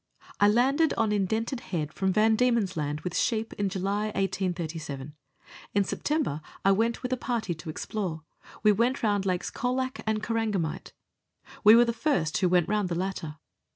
I landed on Indented Head from V. D. Land with sheep in July 1837. In September I went with a party to explore. We Avent round Lakes Colac and Korangamite ; we were the first who went round the latter.